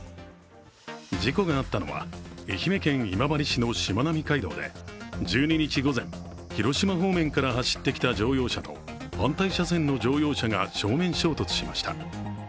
事故があったのは、愛媛県今治市のしまなみ海道で１２日午前、広島方面から走ってきた乗用車と反対車線の乗用車が正面衝突しました。